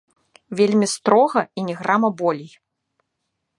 Вельмі строга і ні грама болей.